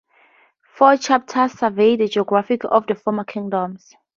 Four chapters survey the geography of the former kingdoms.